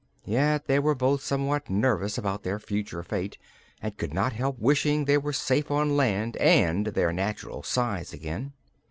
Yet they were both somewhat nervous about their future fate and could not help wishing they were safe on land and their natural size again.